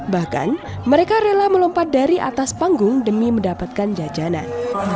bahkan mereka rela melompat dari atas panggung demi mendapatkan jajanan